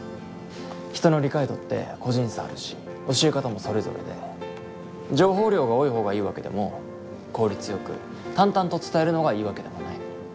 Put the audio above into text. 人の理解度って個人差あるし教え方もそれぞれで情報量が多い方がいいわけでも効率よく淡々と伝えるのがいいわけでもない。